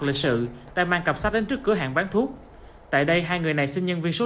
lịch sự đã mang cặp sách đến trước cửa hàng bán thuốc tại đây hai người này sinh nhân viên số